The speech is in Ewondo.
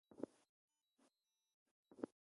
Bevag be ngaateg, bevag be ngaatie ai.